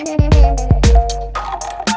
kau mau kemana